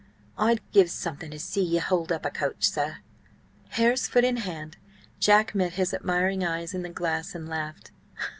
"I'd give something to see ye hold up a coach, sir!" Haresfoot in hand, Jack met his admiring eyes in the glass, and laughed.